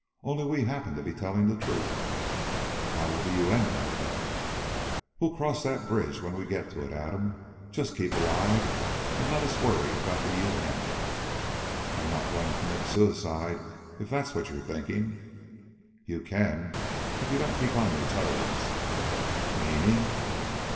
Only we happen to be telling the truth." "How will the U.N. know that?" "We'll cross that bridge when we get to it, Adam. Just keep alive and let us worry about the U.N." "I'm not going to commit suicide if that's what you're thinking." "You can if you don't keep on your toes." "Meaning...?"